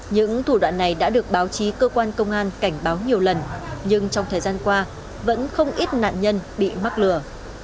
những thủ đoạn này đã được báo chí cơ quan công an cảnh báo nhiều lần nhưng trong thời gian qua vẫn không ít nạn nhân bị mắc lừa